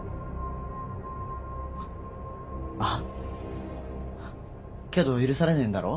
あ？けど許されねえんだろ？